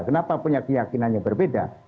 kenapa punya keyakinannya berbeda